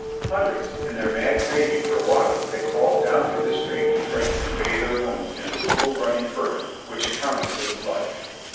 Hundreds, in their mad craving for water, had crawled down to this stream to drink and bathe their wounds in its cool running current, which accounted for the blood.